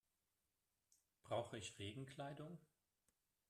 Brauche ich Regenkleidung?